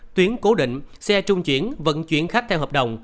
tuyến cố định xe trung chuyển vận chuyển khách theo hợp đồng